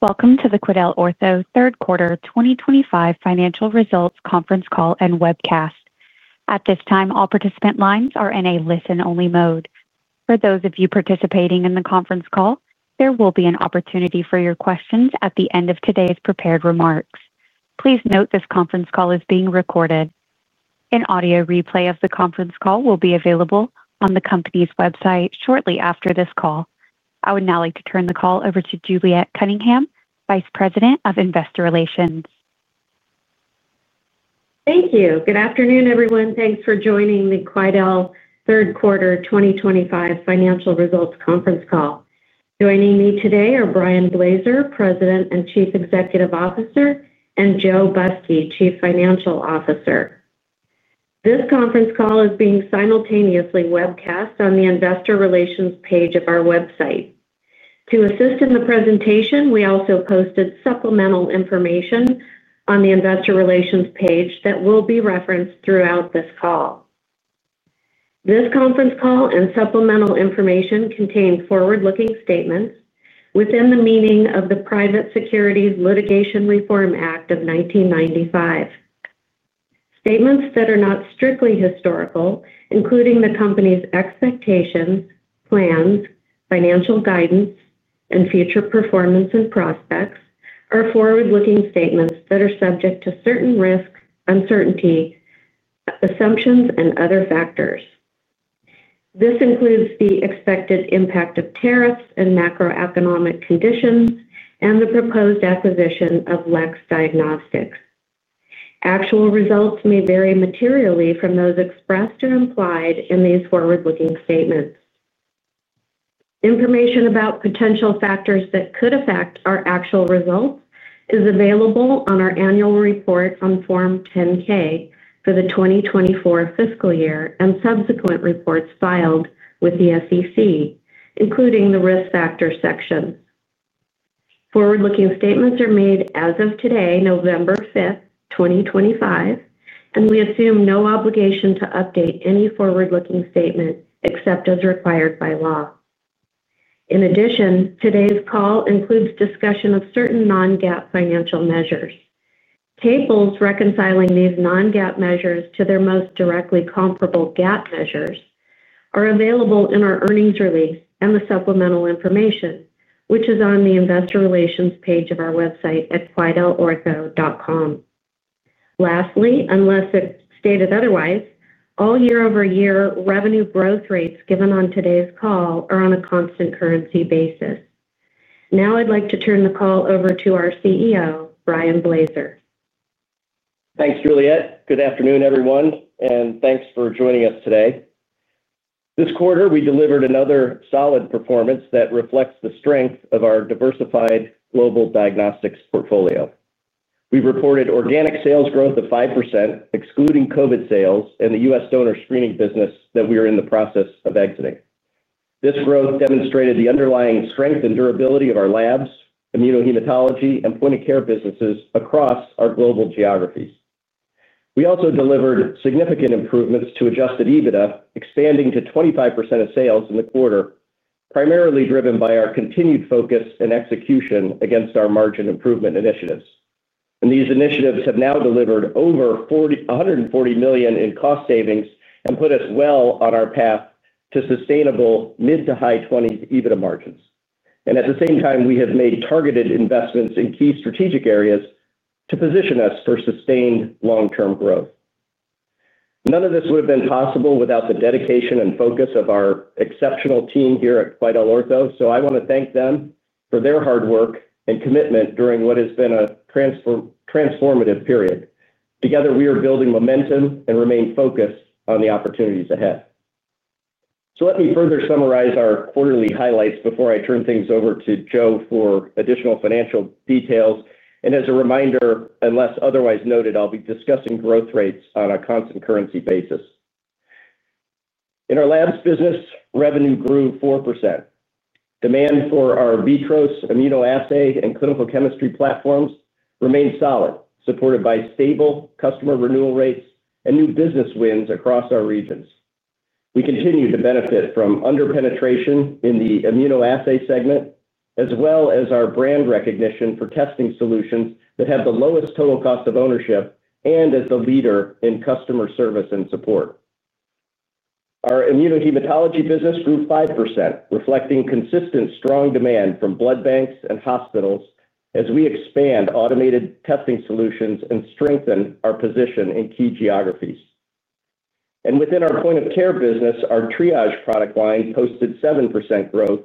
Welcome to the QuidelOrtho Third Quarter 2025 Financial Results Conference Call and Webcast. At this time, all participant lines are in a listen-only mode. For those of you participating in the conference call, there will be an opportunity for your questions at the end of today's prepared remarks. Please note this conference call is being recorded. An audio replay of the conference call will be available on the company's website shortly after this call. I would now like to turn the call over to Juliet Cunningham, Vice President of Investor Relations. Thank you. Good afternoon, everyone. Thanks for joining the QuidelOrtho third quarter 2025 financial results conference call. Joining me today are Brian Blaser, President and Chief Executive Officer, and Joe Busky, Chief Financial Officer. This conference call is being simultaneously webcast on the Investor Relations page of our website. To assist in the presentation, we also posted supplemental information on the Investor Relations page that will be referenced throughout this call. This conference call and supplemental information contain forward-looking statements within the meaning of the Private Securities Litigation Reform Act of 1995. Statements that are not strictly historical, including the company's expectations, plans, financial guidance, and future performance and prospects, are forward-looking statements that are subject to certain risks, uncertainty, assumptions, and other factors. This includes the expected impact of tariffs and macroeconomic conditions and the proposed acquisition of LEX Diagnostics. Actual results may vary materially from those expressed or implied in these forward-looking statements. Information about potential factors that could affect our actual results is available on our annual report on Form 10-K for the 2024 fiscal year and subsequent reports filed with the SEC, including the risk factor section. Forward-looking statements are made as of today, November 5th, 2025, and we assume no obligation to update any forward-looking statement except as required by law. In addition, today's call includes discussion of certain non-GAAP financial measures. Tables reconciling these non-GAAP measures to their most directly comparable GAAP measures are available in our earnings release and the supplemental information, which is on the Investor Relations page of our website at quidelortho.com. Lastly, unless stated otherwise, all year-over-year revenue growth rates given on today's call are on a constant currency basis. Now I'd like to turn the call over to our CEO, Brian Blaser. Thanks, Juliet. Good afternoon, everyone, and thanks for joining us today. This quarter, we delivered another solid performance that reflects the strength of our diversified global diagnostics portfolio. We reported organic sales growth of 5%, excluding COVID sales and the U.S. donor screening business that we are in the process of exiting. This growth demonstrated the underlying strength and durability of our labs, immunohematology, and point-of-care businesses across our global geographies. We also delivered significant improvements to adjusted EBITDA, expanding to 25% of sales in the quarter, primarily driven by our continued focus and execution against our margin improvement initiatives. These initiatives have now delivered over $140 million in cost savings and put us well on our path to sustainable mid to high 20s EBITDA margins. At the same time, we have made targeted investments in key strategic areas to position us for sustained long-term growth. None of this would have been possible without the dedication and focus of our exceptional team here at QuidelOrtho. I want to thank them for their hard work and commitment during what has been a transformative period. Together, we are building momentum and remain focused on the opportunities ahead. Let me further summarize our quarterly highlights before I turn things over to Joe for additional financial details. As a reminder, unless otherwise noted, I'll be discussing growth rates on a constant currency basis. In our Labs business, revenue grew 4%. Demand for our VITROS, ImmunoAssay, and clinical chemistry platforms remained solid, supported by stable customer renewal rates and new business wins across our regions. We continue to benefit from under-penetration in the ImmunoAssay segment, as well as our brand recognition for testing solutions that have the lowest total cost of ownership and as the leader in customer service and support. Our Immunohematology business grew 5%, reflecting consistent strong demand from blood banks and hospitals as we expand automated testing solutions and strengthen our position in key geographies. Within our point-of-care business, our Triage product line posted 7% growth,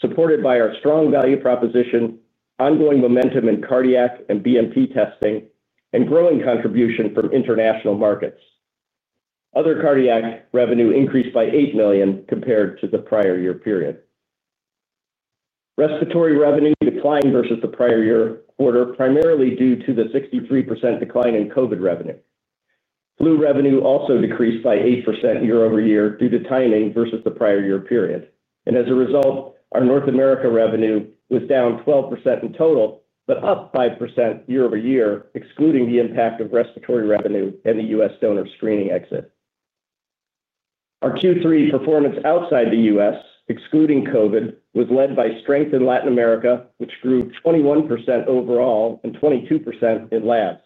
supported by our strong value proposition, ongoing momentum in cardiac and BNP testing, and growing contribution from international markets. Other cardiac revenue increased by $8 million compared to the prior year period. Respiratory revenue declined versus the prior year quarter, primarily due to the 63% decline in COVID revenue. Flu revenue also decreased by 8% year-over-year due to timing versus the prior year period. As a result, our North America revenue was down 12% in total, but up 5% year-over-year, excluding the impact of respiratory revenue and the U.S. donor screening exit. Our Q3 performance outside the U.S., excluding COVID, was led by strength in Latin America, which grew 21% overall and 22% in labs.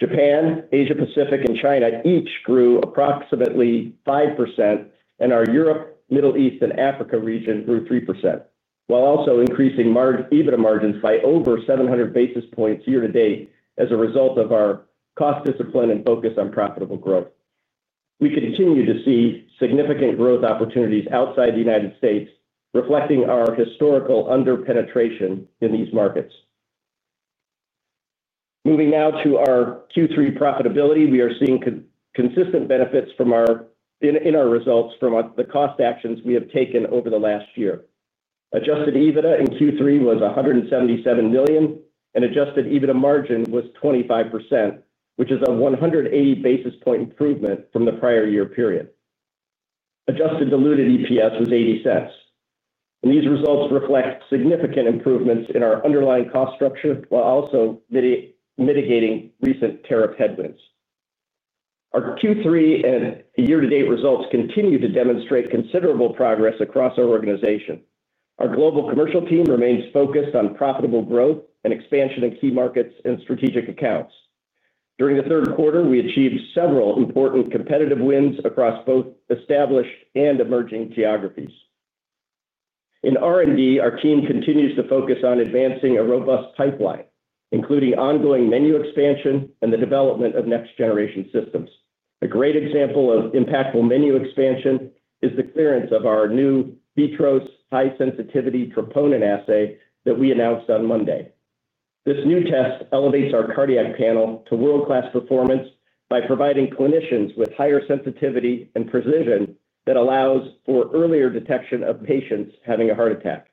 Japan, Asia-Pacific, and China each grew approximately 5%, and our Europe, Middle East, and Africa region grew 3%, while also increasing EBITDA margins by over 700 basis points year to date as a result of our cost discipline and focus on profitable growth. We continue to see significant growth opportunities outside the United States, reflecting our historical under-penetration in these markets. Moving now to our Q3 profitability, we are seeing consistent benefits in our results from the cost actions we have taken over the last year. Adjusted EBITDA in Q3 was $177 million, and adjusted EBITDA margin was 25%, which is a 180 basis point improvement from the prior year period. Adjusted diluted EPS was $0.80. These results reflect significant improvements in our underlying cost structure while also mitigating recent tariff headwinds. Our Q3 and year-to-date results continue to demonstrate considerable progress across our organization. Our global commercial team remains focused on profitable growth and expansion in key markets and strategic accounts. During the third quarter, we achieved several important competitive wins across both established and emerging geographies. In R&D, our team continues to focus on advancing a robust pipeline, including ongoing menu expansion and the development of next-generation systems. A great example of impactful menu expansion is the clearance of our new VITROS high-sensitivity troponin assay that we announced on Monday. This new test elevates our cardiac panel to world-class performance by providing clinicians with higher sensitivity and precision that allows for earlier detection of patients having a heart attack.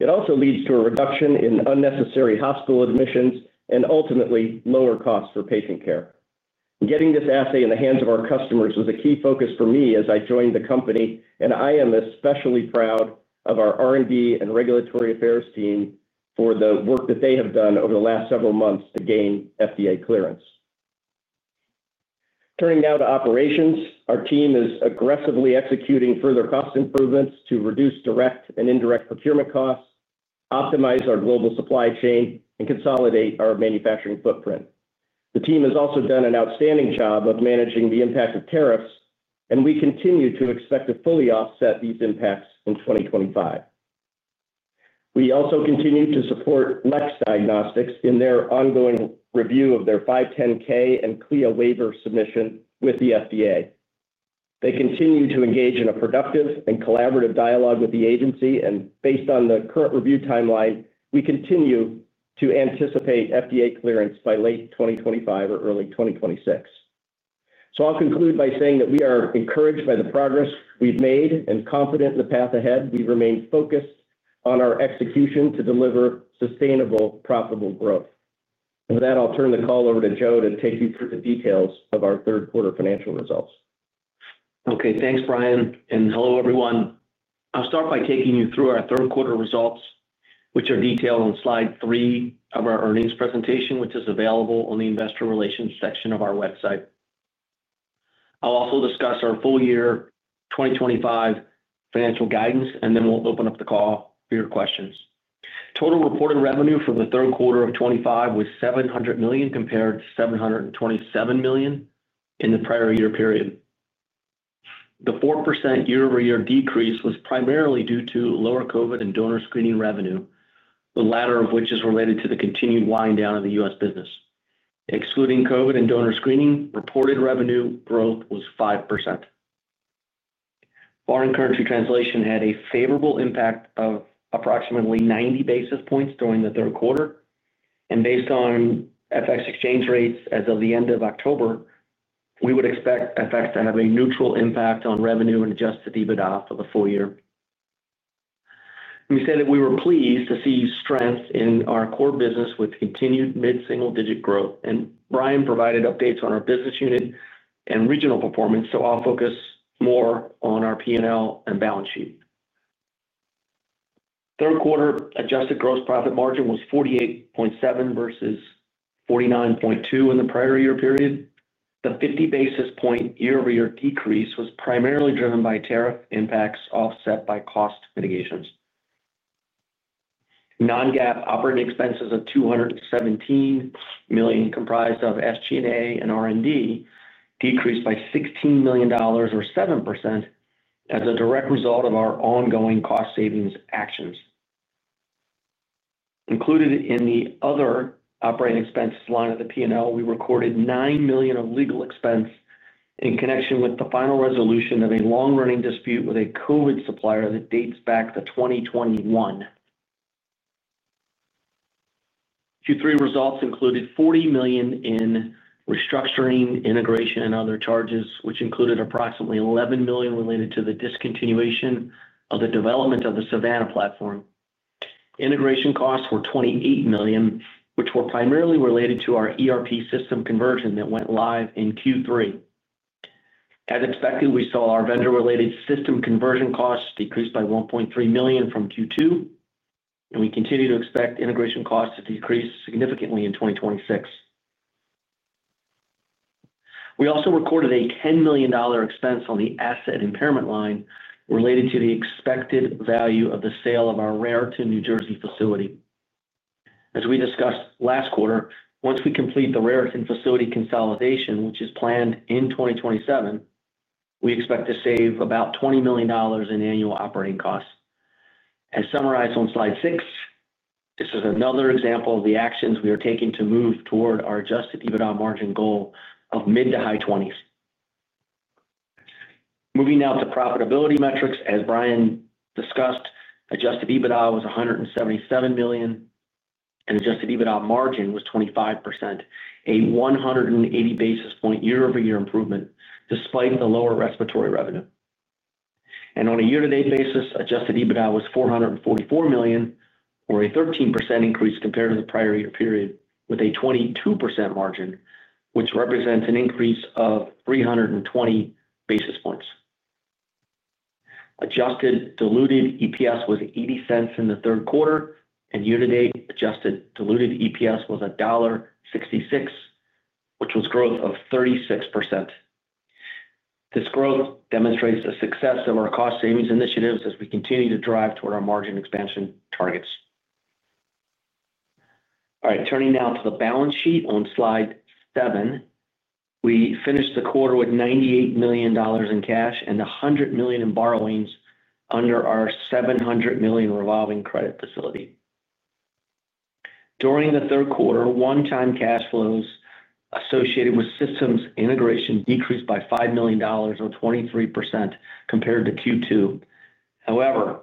It also leads to a reduction in unnecessary hospital admissions and ultimately lower costs for patient care. Getting this assay in the hands of our customers was a key focus for me as I joined the company, and I am especially proud of our R&D and regulatory affairs team for the work that they have done over the last several months to gain FDA clearance. Turning now to operations, our team is aggressively executing further cost improvements to reduce direct and indirect procurement costs, optimize our global supply chain, and consolidate our manufacturing footprint. The team has also done an outstanding job of managing the impact of tariffs, and we continue to expect to fully offset these impacts in 2025. We also continue to support Lex Diagnostics in their ongoing review of their 510(k) and CLIA waiver submission with the FDA. They continue to engage in a productive and collaborative dialogue with the agency, and based on the current review timeline, we continue to anticipate FDA clearance by late 2025 or early 2026. I will conclude by saying that we are encouraged by the progress we have made and confident in the path ahead. We remain focused on our execution to deliver sustainable, profitable growth. With that, I will turn the call over to Joe to take you through the details of our third quarter financial results. Okay, thanks, Brian. Hello, everyone. I'll start by taking you through our third quarter results, which are detailed on slide three of our earnings presentation, which is available on the Investor Relations section of our website. I'll also discuss our full year 2025 financial guidance, and then we'll open up the call for your questions. Total reported revenue for the third quarter of 2025 was $700 million compared to $727 million in the prior year period. The 4% year-over-year decrease was primarily due to lower COVID and donor screening revenue, the latter of which is related to the continued wind down of the U.S. business. Excluding COVID and donor screening, reported revenue growth was 5%. Foreign currency translation had a favorable impact of approximately 90 basis points during the third quarter. Based on FX exchange rates as of the end of October, we would expect FX to have a neutral impact on revenue and adjusted EBITDA for the full year. We said that we were pleased to see strength in our core business with continued mid-single-digit growth. Brian provided updates on our business unit and regional performance, so I'll focus more on our P&L and balance sheet. Third quarter adjusted gross profit margin was 48.7% versus 49.2% in the prior year period. The 50 basis point year-over-year decrease was primarily driven by tariff impacts offset by cost mitigations. Non-GAAP operating expenses of $217 million comprised of SG&A and R&D decreased by $16 million or 7% as a direct result of our ongoing cost savings actions. Included in the other operating expenses line of the P&L, we recorded $9 million of legal expense in connection with the final resolution of a long-running dispute with a COVID supplier that dates back to 2021. Q3 results included $40 million in restructuring, integration, and other charges, which included approximately $11 million related to the discontinuation of the development of the Savannah platform. Integration costs were $28 million, which were primarily related to our ERP system conversion that went live in Q3. As expected, we saw our vendor-related system conversion costs decrease by $1.3 million from Q2. We continue to expect integration costs to decrease significantly in 2026. We also recorded a $10 million expense on the asset impairment line related to the expected value of the sale of our Raritan, New Jersey facility. As we discussed last quarter, once we complete the Raritan facility consolidation, which is planned in 2027, we expect to save about $20 million in annual operating costs. As summarized on slide six, this is another example of the actions we are taking to move toward our adjusted EBITDA margin goal of mid to high 20s. Moving now to profitability metrics, as Brian discussed, adjusted EBITDA was $177 million, and adjusted EBITDA margin was 25%, a 180 basis point year-over-year improvement despite the lower respiratory revenue. On a year-to-date basis, adjusted EBITDA was $444 million, or a 13% increase compared to the prior year period, with a 22% margin, which represents an increase of 320 basis points. Adjusted diluted EPS was $0.80 in the third quarter, and year-to-date adjusted diluted EPS was $1.66, which was growth of 36%. This growth demonstrates the success of our cost savings initiatives as we continue to drive toward our margin expansion targets. All right, turning now to the balance sheet on slide seven, we finished the quarter with $98 million in cash and $100 million in borrowings under our $700 million revolving credit facility. During the third quarter, one-time cash flows associated with systems integration decreased by $5 million or 23% compared to Q2. However,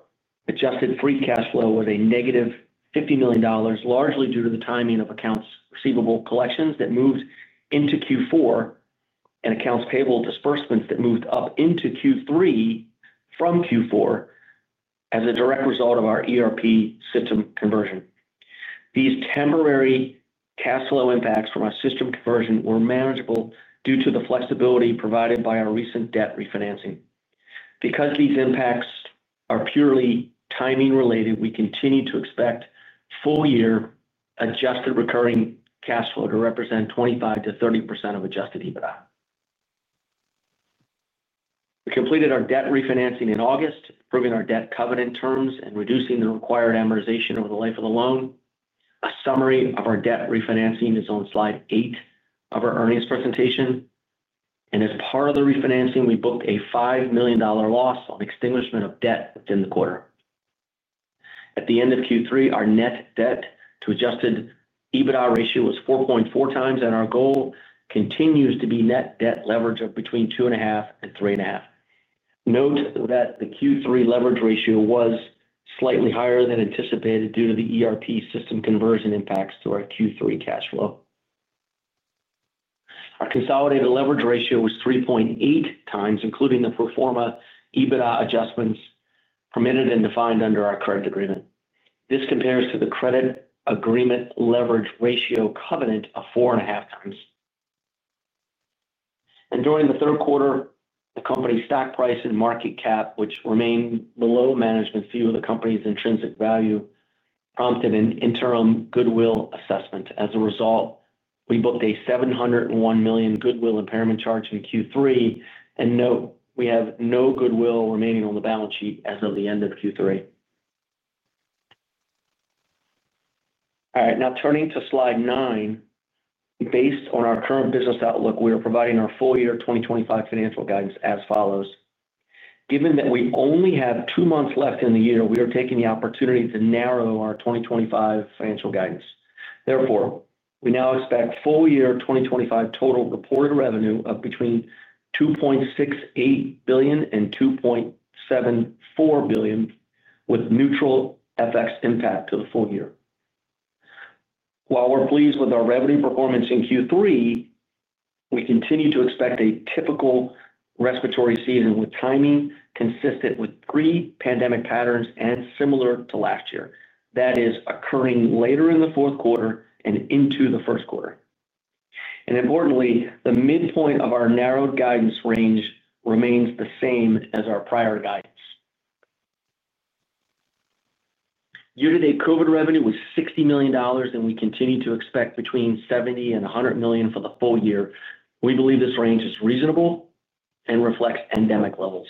adjusted free cash flow was a negative $50 million, largely due to the timing of accounts receivable collections that moved into Q4. Accounts payable disbursements moved up into Q3 from Q4 as a direct result of our ERP system conversion. These temporary cash flow impacts from our system conversion were manageable due to the flexibility provided by our recent debt refinancing. Because these impacts are purely timing-related, we continue to expect full-year adjusted recurring cash flow to represent 25-30% of adjusted EBITDA. We completed our debt refinancing in August, improving our debt covenant terms and reducing the required amortization over the life of the loan. A summary of our debt refinancing is on slide eight of our earnings presentation. As part of the refinancing, we booked a $5 million loss on extinguishment of debt within the quarter. At the end of Q3, our net debt to adjusted EBITDA ratio was 4.4x, and our goal continues to be net debt leverage of between 2.5 and 3.5. Note that the Q3 leverage ratio was slightly higher than anticipated due to the ERP system conversion impacts to our Q3 cash flow. Our consolidated leverage ratio was 3.8x, including the pro forma EBITDA adjustments permitted and defined under our credit agreement. This compares to the credit agreement leverage ratio covenant of 4.5x. During the third quarter, the company's stock price and market cap, which remained below management's view of the company's intrinsic value, prompted an interim goodwill assessment. As a result, we booked a $701 million goodwill impairment charge in Q3. We have no goodwill remaining on the balance sheet as of the end of Q3. All right, now turning to slide nine, based on our current business outlook, we are providing our full year 2025 financial guidance as follows. Given that we only have two months left in the year, we are taking the opportunity to narrow our 2025 financial guidance. Therefore, we now expect full year 2025 total reported revenue of between $2.68 billion and $2.74 billion, with neutral FX impact to the full year. While we're pleased with our revenue performance in Q3, we continue to expect a typical respiratory season with timing consistent with pre-pandemic patterns and similar to last year. That is occurring later in the fourth quarter and into the first quarter. Importantly, the midpoint of our narrowed guidance range remains the same as our prior guidance. Year-to-date COVID revenue was $60 million, and we continue to expect between $70 million and $100 million for the full year. We believe this range is reasonable and reflects pandemic levels.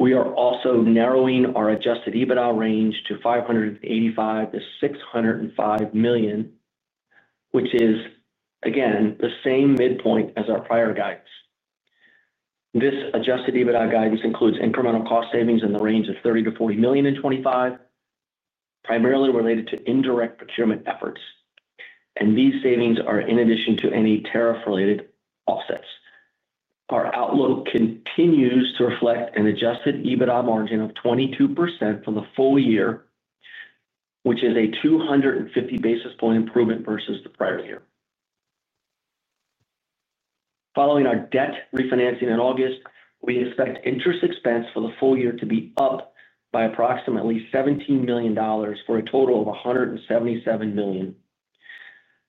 We are also narrowing our adjusted EBITDA range to $585 million-$605 million, which is, again, the same midpoint as our prior guidance. This adjusted EBITDA guidance includes incremental cost savings in the range of $30 million-$40 million in 2025. Primarily related to indirect procurement efforts. These savings are in addition to any tariff-related offsets. Our outlook continues to reflect an adjusted EBITDA margin of 22% for the full year, which is a 250 basis point improvement versus the prior year. Following our debt refinancing in August, we expect interest expense for the full year to be up by approximately $17 million for a total of $177 million.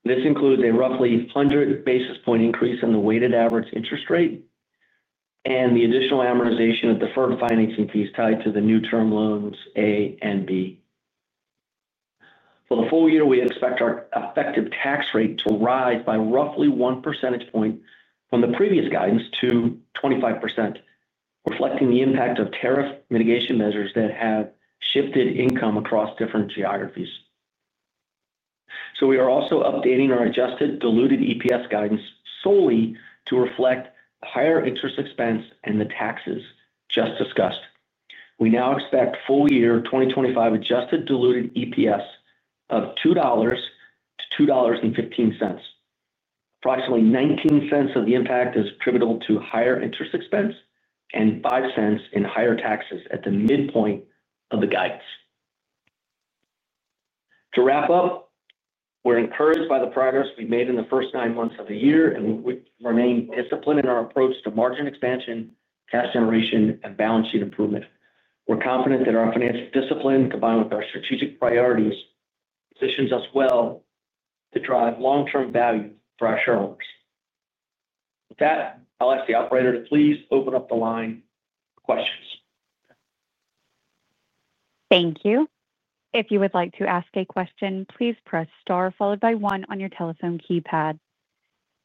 This includes a roughly 100 basis point increase in the weighted average interest rate. The additional amortization of deferred financing fees is tied to the new term loans A and B. For the full year, we expect our effective tax rate to rise by roughly one percentage point from the previous guidance to 25%. Reflecting the impact of tariff mitigation measures that have shifted income across different geographies. We are also updating our adjusted diluted EPS guidance solely to reflect the higher interest expense and the taxes just discussed. We now expect full year 2025 adjusted diluted EPS of $2-$2.15. Approximately 19 cents of the impact is attributable to higher interest expense and 5 cents in higher taxes at the midpoint of the guidance. To wrap up, we're encouraged by the progress we've made in the first nine months of the year, and we remain disciplined in our approach to margin expansion, cash generation, and balance sheet improvement. We're confident that our financial discipline, combined with our strategic priorities, positions us well to drive long-term value for our shareholders. With that, I'll ask the operator to please open up the line for questions. Thank you. If you would like to ask a question, please press star followed by one on your telephone keypad.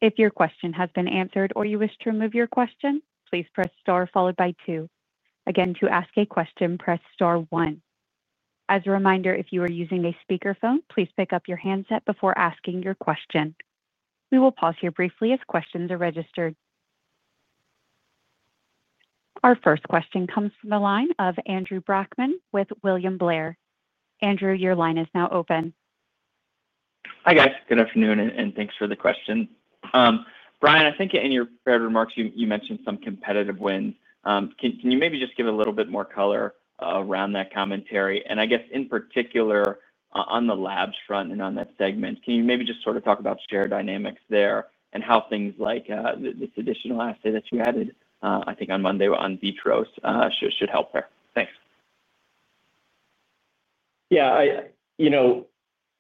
If your question has been answered or you wish to remove your question, please press star followed by two. Again, to ask a question, press star one. As a reminder, if you are using a speakerphone, please pick up your handset before asking your question. We will pause here briefly as questions are registered. Our first question comes from the line of Andrew Brackmann with William Blair. Andrew, your line is now open. Hi guys. Good afternoon and thanks for the question. Brian, I think in your remarks you mentioned some competitive wins. Can you maybe just give a little bit more color around that commentary? I guess in particular on the labs front and on that segment, can you maybe just sort of talk about share dynamics there and how things like this additional assay that you added, I think on Monday on VITROS, should help there? Thanks. Yeah.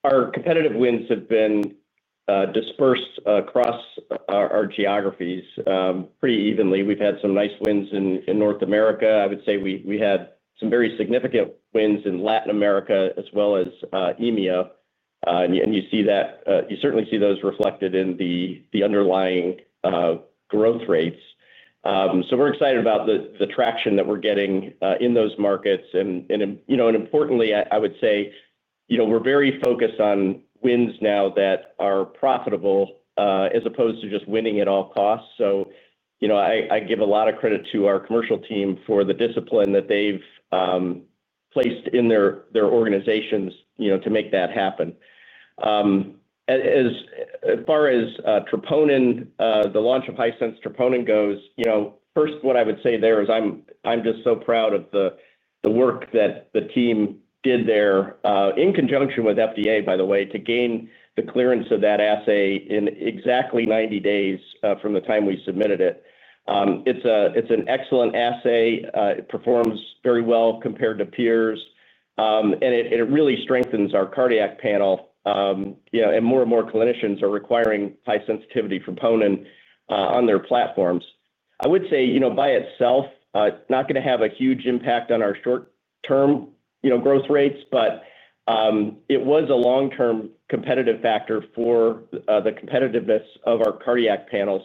Our competitive wins have been dispersed across our geographies pretty evenly. We've had some nice wins in North America. I would say we had some very significant wins in Latin America as well as EMEA. You see that, you certainly see those reflected in the underlying growth rates. We're excited about the traction that we're getting in those markets. Importantly, I would say we're very focused on wins now that are profitable as opposed to just winning at all costs. I give a lot of credit to our commercial team for the discipline that they've placed in their organizations to make that happen. As far as. The launch of high-sensitivity troponin goes, first, what I would say there is I'm just so proud of the work that the team did there in conjunction with FDA, by the way, to gain the clearance of that assay in exactly 90 days from the time we submitted it. It's an excellent assay. It performs very well compared to peers. It really strengthens our cardiac panel. More and more clinicians are requiring high sensitivity for troponin on their platforms. I would say by itself, not going to have a huge impact on our short-term growth rates, but it was a long-term competitive factor for the competitiveness of our cardiac panel.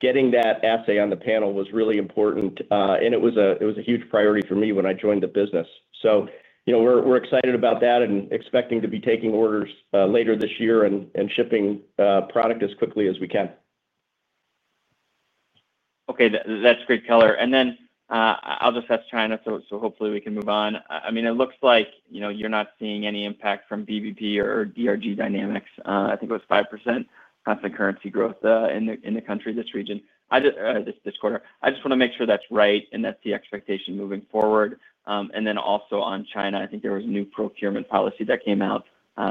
Getting that assay on the panel was really important. It was a huge priority for me when I joined the business. We're excited about that and expecting to be taking orders later this year and shipping product as quickly as we can. Okay. That's great color. I'll just ask China, so hopefully we can move on. I mean, it looks like you're not seeing any impact from BBP or DRG dynamics. I think it was 5% constant currency growth in the country, this region, this quarter. I just want to make sure that's right and that's the expectation moving forward. Also on China, I think there was a new procurement policy that came out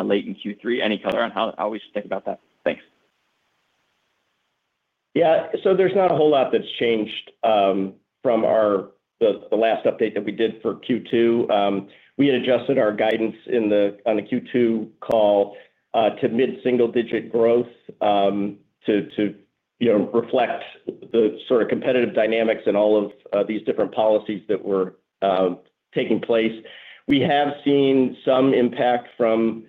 late in Q3. Any color on how we should think about that? Thanks. Yeah. So there's not a whole lot that's changed from the last update that we did for Q2. We had adjusted our guidance on the Q2 call to mid-single-digit growth to reflect the sort of competitive dynamics and all of these different policies that were taking place. We have seen some impact from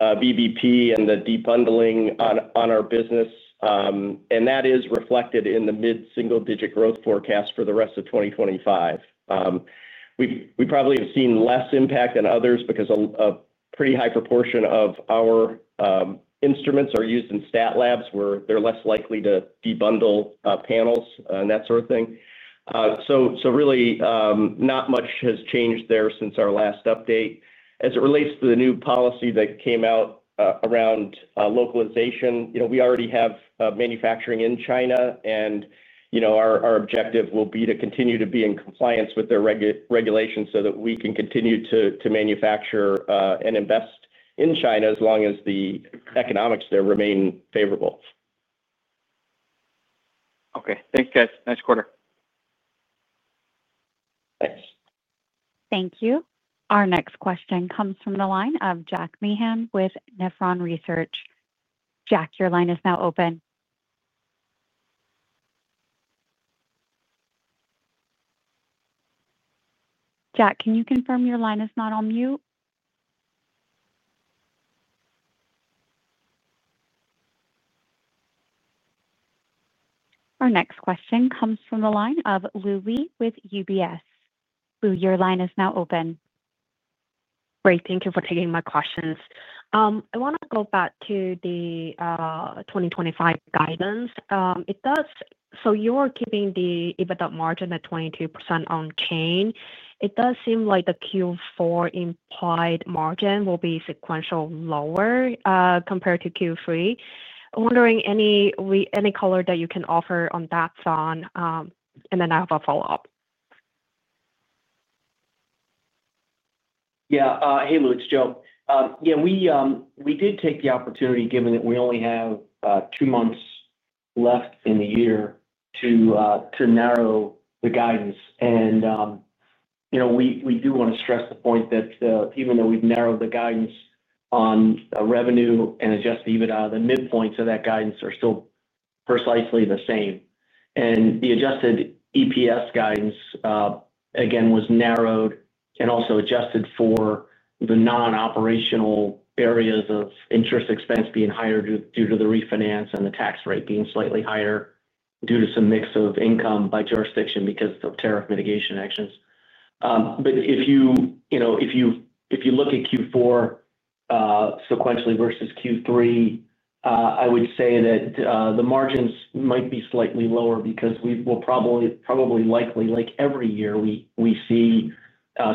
BBP and the debundling on our business, and that is reflected in the mid-single-digit growth forecast for the rest of 2025. We probably have seen less impact than others because a pretty high proportion of our instruments are used in stat labs where they're less likely to debundle panels and that sort of thing. So really, not much has changed there since our last update. As it relates to the new policy that came out around localization, we already have manufacturing in China, and. Our objective will be to continue to be in compliance with their regulations so that we can continue to manufacture and invest in China as long as the economics there remain favorable. Okay. Thanks, guys. Nice quarter. Thanks. Thank you. Our next question comes from the line of Jack Meehan with Nephron Research. Jack, your line is now open. Jack, can you confirm your line is not on mute? Our next question comes from the line of Lu Li with UBS. Lou, your line is now open. Great. Thank you for taking my questions. I want to go back to the 2025 guidance. So you're keeping the EBITDA margin at 22% unchanged. It does seem like the Q4 implied margin will be sequentially lower compared to Q3. I'm wondering any color that you can offer on that. And then I have a follow-up. Yeah. Hey, Lu, it's Joe. Yeah, we did take the opportunity, given that we only have two months left in the year, to narrow the guidance. We do want to stress the point that even though we've narrowed the guidance on revenue and adjusted EBITDA, the midpoint of that guidance is still precisely the same. The adjusted EPS guidance, again, was narrowed and also adjusted for the non-operational areas of interest expense being higher due to the refinance and the tax rate being slightly higher due to some mix of income by jurisdiction because of tariff mitigation actions. If you look at Q4 sequentially versus Q3, I would say that the margins might be slightly lower because we will probably likely, like every year, see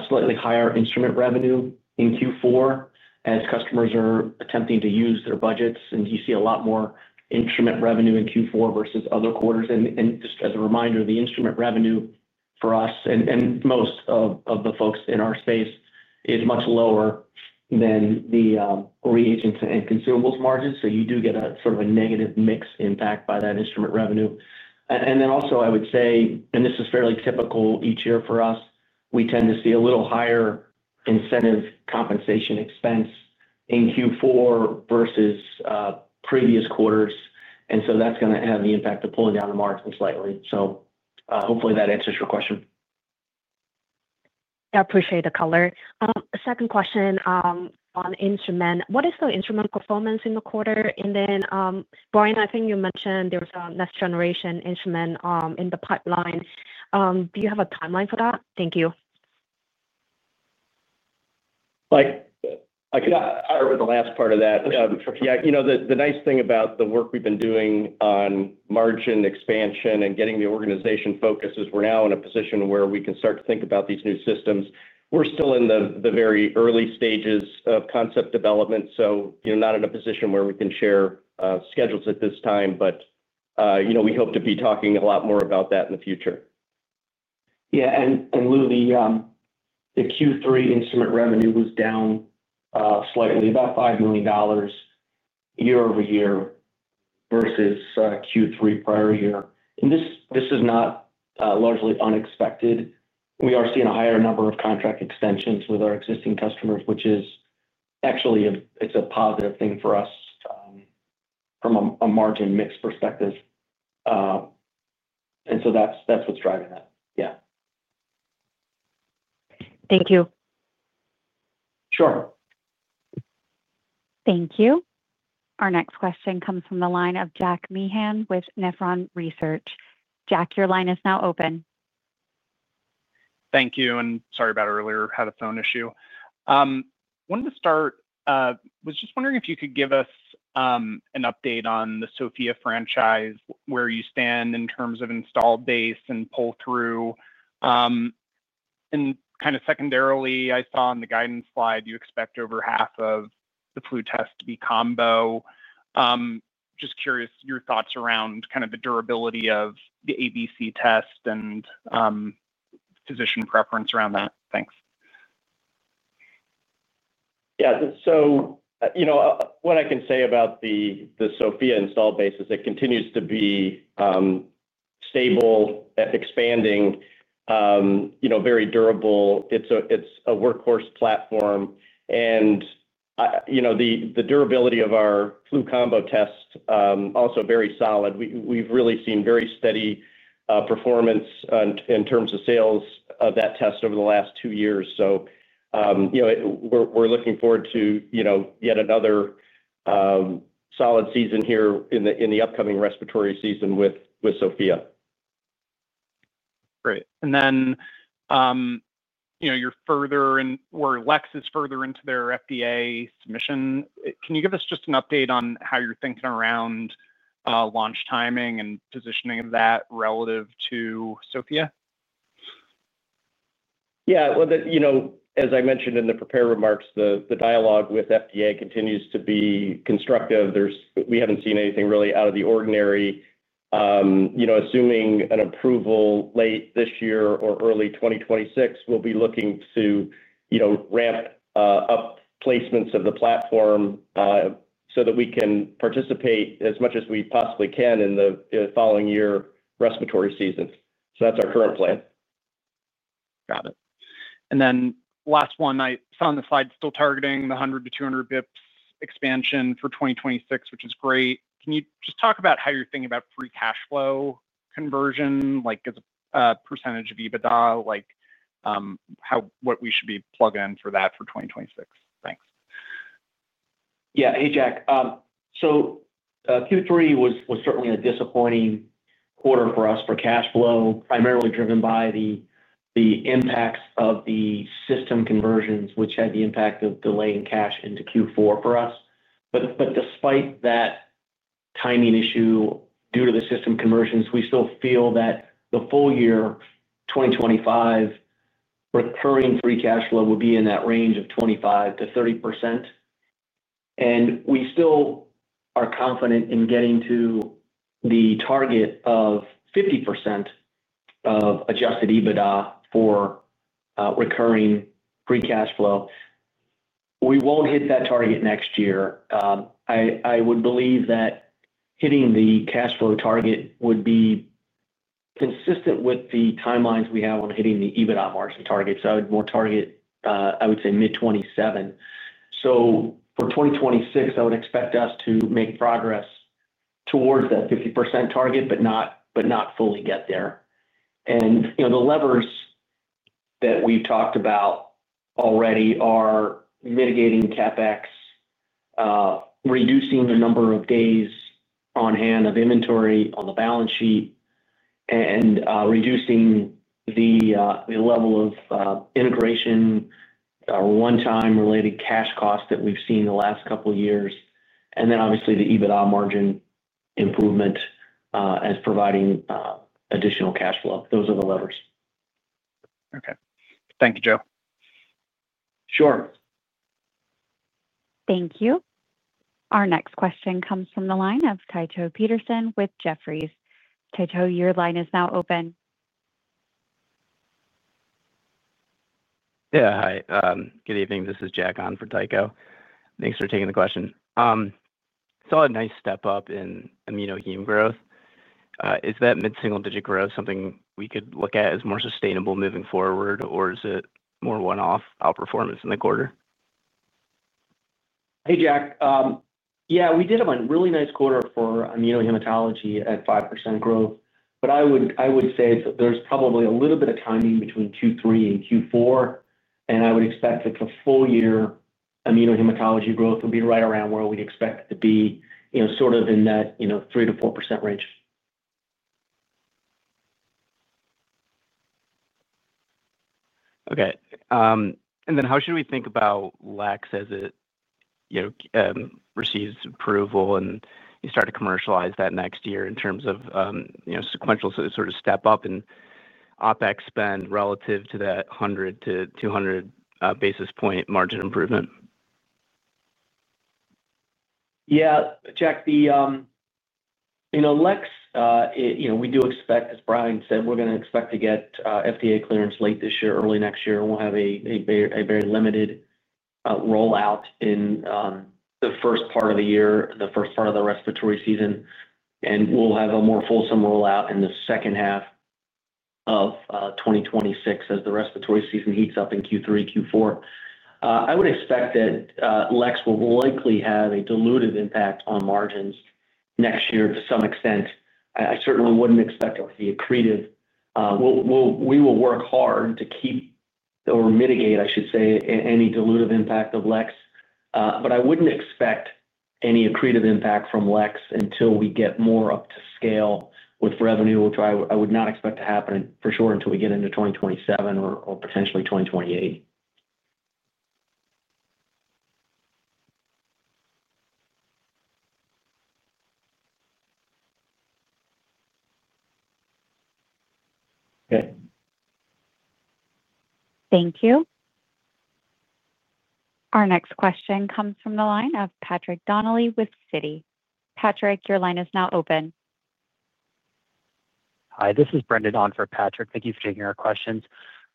slightly higher instrument revenue in Q4 as customers are attempting to use their budgets. You see a lot more instrument revenue in Q4 versus other quarters. Just as a reminder, the instrument revenue for us and most of the folks in our space is much lower than the reagents and consumables margins. You do get a sort of a negative mix impact by that instrument revenue. I would say, and this is fairly typical each year for us, we tend to see a little higher incentive compensation expense in Q4 versus previous quarters. That is going to have the impact of pulling down the margin slightly. Hopefully that answers your question. Yeah. I appreciate the color. Second question on instrument. What is the instrument performance in the quarter? Then, Brian, I think you mentioned there's a next-generation instrument in the pipeline. Do you have a timeline for that? Thank you. I could offer the last part of that. Yeah. The nice thing about the work we've been doing on margin expansion and getting the organization focused is we're now in a position where we can start to think about these new systems. We're still in the very early stages of concept development, so not in a position where we can share schedules at this time. We hope to be talking a lot more about that in the future. Yeah. And Lou, the Q3 instrument revenue was down slightly, about $5 million year over year versus Q3 prior year. This is not largely unexpected. We are seeing a higher number of contract extensions with our existing customers, which is actually a positive thing for us from a margin mix perspective. That's what's driving that. Yeah. Thank you. Sure. Thank you. Our next question comes from the line of Jack Meehan with Nephron Research. Jack, your line is now open. Thank you. Sorry about earlier, had a phone issue. I wanted to start. Was just wondering if you could give us an update on the Sophia franchise, where you stand in terms of install base and pull through. Kind of secondarily, I saw on the guidance slide you expect over half of the flu test to be combo. Just curious your thoughts around kind of the durability of the ABC test and physician preference around that. Thanks. Yeah. What I can say about the Sophia install base is it continues to be stable, expanding, very durable. It's a workhorse platform. The durability of our flu combo test is also very solid. We've really seen very steady performance in terms of sales of that test over the last two years. We're looking forward to yet another solid season here in the upcoming respiratory season with Sophia. Great. You're further in where Lex is further into their FDA submission. Can you give us just an update on how you're thinking around launch timing and positioning of that relative to Sophia? Yeah. As I mentioned in the prepared remarks, the dialogue with FDA continues to be constructive. We have not seen anything really out of the ordinary. Assuming an approval late this year or early 2026, we will be looking to ramp up placements of the platform so that we can participate as much as we possibly can in the following year respiratory season. That is our current plan. Got it. Then last one, I saw on the slide still targeting the 100-200 basis points expansion for 2026, which is great. Can you just talk about how you're thinking about free cash flow conversion as a percentage of EBITDA? What we should be plugging in for that for 2026. Thanks. Yeah. Hey, Jack. Q3 was certainly a disappointing quarter for us for cash flow, primarily driven by the impacts of the system conversions, which had the impact of delaying cash into Q4 for us. Despite that timing issue due to the system conversions, we still feel that the full year 2025 recurring free cash flow would be in that range of 25-30%. We still are confident in getting to the target of 50% of adjusted EBITDA for recurring free cash flow. We will not hit that target next year. I would believe that hitting the cash flow target would be consistent with the timelines we have on hitting the EBITDA margin target. I would more target, I would say, mid-2027. For 2026, I would expect us to make progress towards that 50% target, but not fully get there. The levers. That we have talked about already are mitigating CapEx, reducing the number of days on hand of inventory on the balance sheet, and reducing the level of integration one-time related cash cost that we have seen the last couple of years. Obviously, the EBITDA margin improvement is providing additional cash flow. Those are the levers. Okay. Thank you, Joe. Sure. Thank you. Our next question comes from the line of Tycho Peterson with Jefferies. Tycho, your line is now open. Yeah. Hi. Good evening. This is Jack on for Tycho. Thanks for taking the question. Saw a nice step up in immunohematology growth. Is that mid-single-digit growth something we could look at as more sustainable moving forward, or is it more one-off outperformance in the quarter? Hey, Jack. Yeah, we did have a really nice quarter for immunohematology at 5% growth. I would say there's probably a little bit of timing between Q3 and Q4. I would expect that the full year immunohematology growth would be right around where we expect it to be, sort of in that 3-4% range. Okay. And then how should we think about Lex as it receives approval and you start to commercialize that next year in terms of sequential sort of step up in OpEx spend relative to that 100-200 basis point margin improvement? Yeah. Jack, the Lex, we do expect, as Brian said, we're going to expect to get FDA clearance late this year, early next year. We'll have a very limited rollout in the first part of the year, the first part of the respiratory season. We'll have a more fulsome rollout in the second half of 2026 as the respiratory season heats up in Q3, Q4. I would expect that Lex will likely have a diluted impact on margins next year to some extent. I certainly wouldn't expect it to be accretive. We will work hard to keep, or mitigate, I should say, any diluted impact of Lex. I wouldn't expect any accretive impact from Lex until we get more up to scale with revenue, which I would not expect to happen for sure until we get into 2027 or potentially 2028. Okay. Thank you. Our next question comes from the line of Patrick Donnelly with Citi. Patrick, your line is now open. Hi, this is Brendon on for Patrick. Thank you for taking our questions.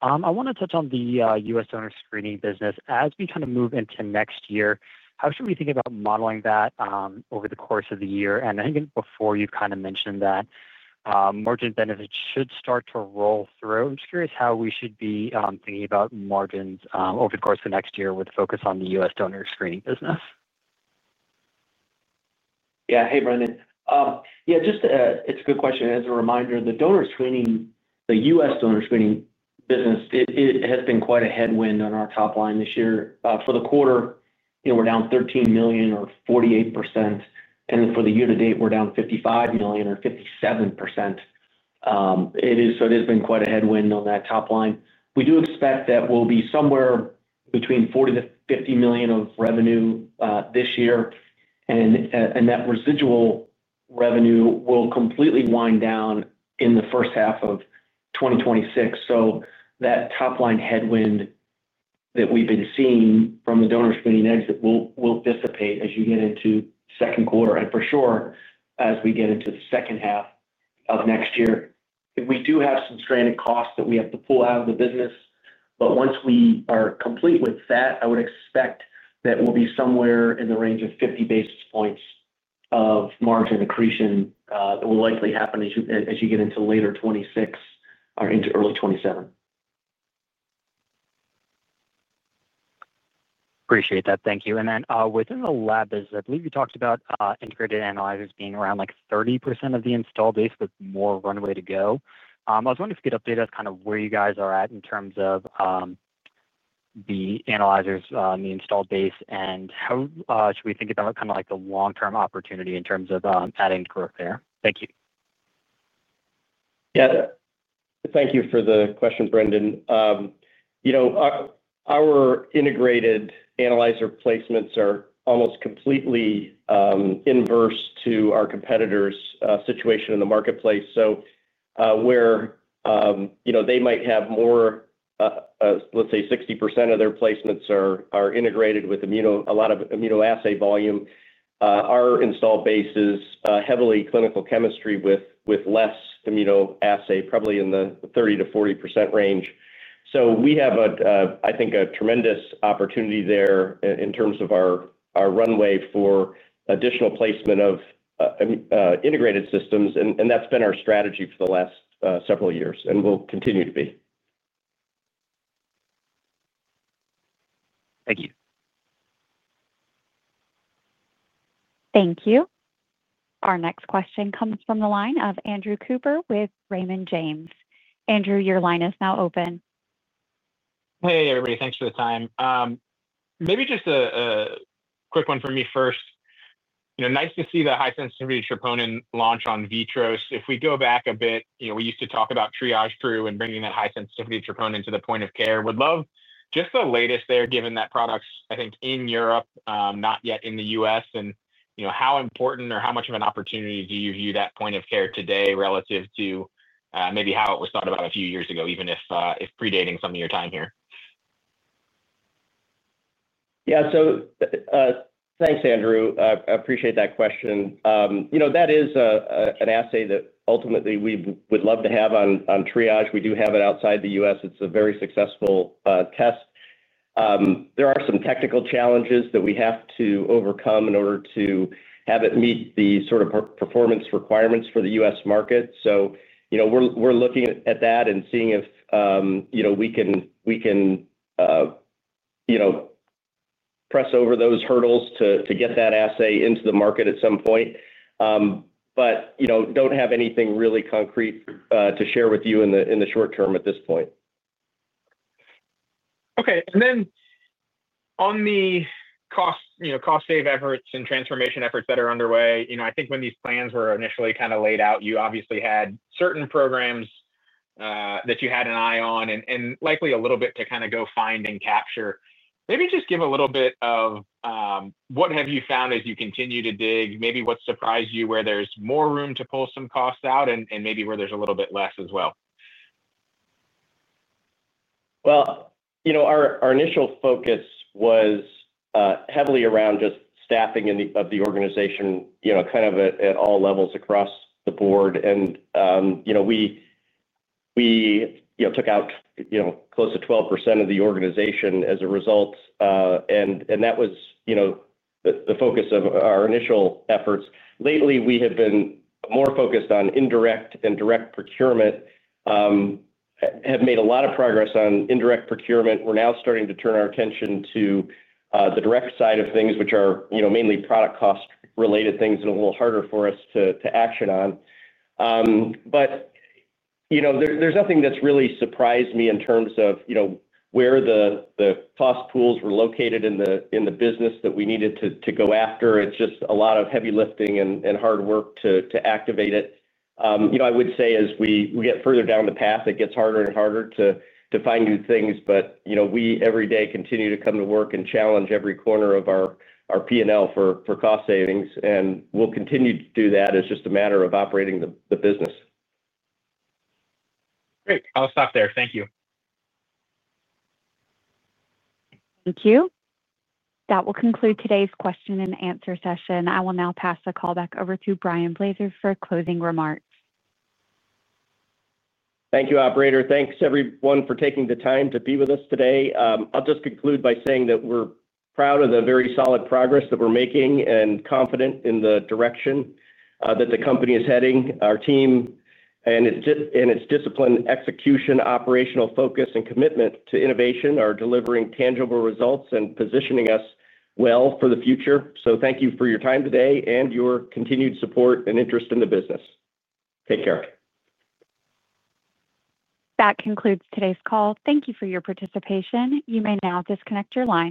I want to touch on the U.S. donor screening business. As we kind of move into next year, how should we think about modeling that over the course of the year? I think before you kind of mentioned that margin benefits should start to roll through. I'm just curious how we should be thinking about margins over the course of next year with focus on the U.S. donor screening business. Yeah. Hey, Brendon. Yeah, it's a good question. As a reminder, the U.S. donor screening business, it has been quite a headwind on our top line this year. For the quarter, we're down $13 million or 48%. And then for the year to date, we're down $55 million or 57%. So it has been quite a headwind on that top line. We do expect that we'll be somewhere between $40-$50 million of revenue this year. And that residual revenue will completely wind down in the first half of 2026. That top line headwind that we've been seeing from the donor screening exit will dissipate as you get into second quarter. For sure, as we get into the second half of next year, we do have some stranded costs that we have to pull out of the business. Once we are complete with that, I would expect that we'll be somewhere in the range of 50 basis points of margin accretion that will likely happen as you get into later 2026 or into early 2027. Appreciate that. Thank you. Within the lab, I believe you talked about integrated analyzers being around 30% of the install base with more runway to go. I was wondering if you could update us kind of where you guys are at in terms of the analyzers in the installed base. How should we think about kind of the long-term opportunity in terms of adding growth there? Thank you. Yeah. Thank you for the question, Brendon. Our integrated analyzer placements are almost completely inverse to our competitors' situation in the marketplace. Where they might have more, let's say, 60% of their placements are integrated with a lot of immunoassay volume, our installed base is heavily clinical chemistry with less immunoassay, probably in the 30-40% range. I think we have a tremendous opportunity there in terms of our runway for additional placement of integrated systems. That has been our strategy for the last several years, and will continue to be. Thank you. Thank you. Our next question comes from the line of Andrew Cooper with Raymond James. Andrew, your line is now open. Hey, everybody. Thanks for the time. Maybe just a quick one for me first. Nice to see the high-sensitivity troponin launch on VITROS. If we go back a bit, we used to talk about Triage crew and bringing that high-sensitivity troponin to the point of care. Would love just the latest there, given that product's, I think, in Europe, not yet in the U.S., and how important or how much of an opportunity do you view that point of care today relative to maybe how it was thought about a few years ago, even if predating some of your time here? Yeah. Thanks, Andrew. I appreciate that question. That is an assay that ultimately we would love to have on Triage. We do have it outside the U.S. It's a very successful test. There are some technical challenges that we have to overcome in order to have it meet the sort of performance requirements for the U.S. market. We are looking at that and seeing if we can press over those hurdles to get that assay into the market at some point. I do not have anything really concrete to share with you in the short term at this point. Okay. On the cost-save efforts and transformation efforts that are underway, I think when these plans were initially kind of laid out, you obviously had certain programs that you had an eye on and likely a little bit to kind of go find and capture. Maybe just give a little bit of what have you found as you continue to dig, maybe what surprised you where there's more room to pull some costs out and maybe where there's a little bit less as well. Our initial focus was heavily around just staffing of the organization kind of at all levels across the board. We took out close to 12% of the organization as a result. That was the focus of our initial efforts. Lately, we have been more focused on indirect and direct procurement. Have made a lot of progress on indirect procurement. We're now starting to turn our attention to the direct side of things, which are mainly product cost-related things and a little harder for us to action on. There's nothing that's really surprised me in terms of where the cost pools were located in the business that we needed to go after. It's just a lot of heavy lifting and hard work to activate it. I would say as we get further down the path, it gets harder and harder to find new things. We every day continue to come to work and challenge every corner of our P&L for cost savings. We'll continue to do that. It's just a matter of operating the business. Great. I'll stop there. Thank you. Thank you. That will conclude today's question and answer session. I will now pass the call back over to Brian Blaser for closing remarks. Thank you, operator. Thanks, everyone, for taking the time to be with us today. I'll just conclude by saying that we're proud of the very solid progress that we're making and confident in the direction that the company is heading. Our team and its discipline, execution, operational focus, and commitment to innovation are delivering tangible results and positioning us well for the future. Thank you for your time today and your continued support and interest in the business. Take care. That concludes today's call. Thank you for your participation. You may now disconnect your line.